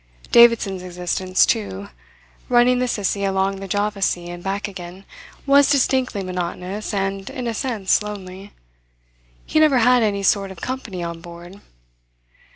Davidson's existence, too, running the Sissie along the Java Sea and back again, was distinctly monotonous and, in a sense, lonely. He never had any sort of company on board.